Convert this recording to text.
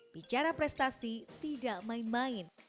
bicara prestasi tidak main main